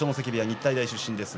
日体大出身です。